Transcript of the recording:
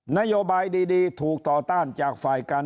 นโยบายดีถูกต่อต้านจากฝ่ายการ